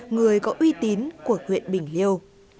người có uy tín của huyện bình liêu